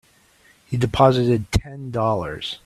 He's deposited Ten Dollars.